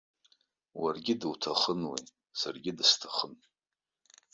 Уаргьы дуҭахын уи, саргьы дысҭахын.